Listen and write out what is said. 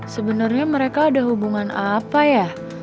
sebenarnya mereka ada hubungan apa ya